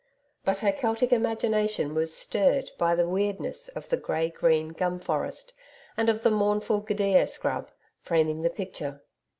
But her Celtic imagination was stirred by the weirdness of the grey green gum forest, and of the mournful gidia scrub, framing the picture.